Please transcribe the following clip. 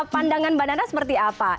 pandangan mbak nana seperti apa